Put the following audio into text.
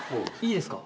いいですか？